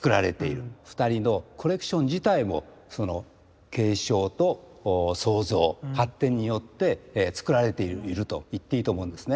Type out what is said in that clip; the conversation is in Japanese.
２人のコレクション自体も継承と創造発展によって作られているといっていいと思うんですね。